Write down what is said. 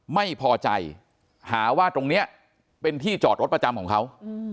ไม่พอใจหาว่าตรงนี้เป็นที่จอดรถประจำของเขา